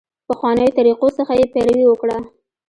پخوانیو طریقو څخه یې پیروي وکړه.